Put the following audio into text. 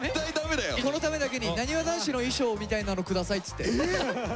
このためだけになにわ男子の衣装みたいなの下さいっつって。